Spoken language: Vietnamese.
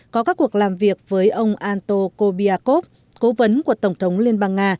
có các cuộc làm việc với ông anto kobiakov cố vấn của tổng thống liên bang nga